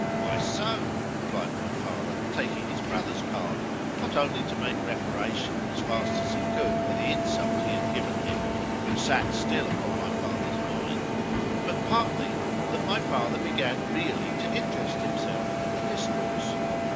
—Why so?—replied my father, taking his brother's part, not only to make reparation as fast as he could for the insult he had given him, which sat still upon my father's mind;——but partly, that my father began really to interest himself in the discourse.